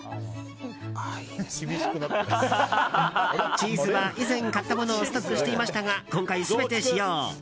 チーズは以前買ったものをストックしていましたが今回、全て使用。